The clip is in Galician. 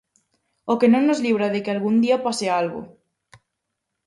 O que non nos libra de que algún día pase algo.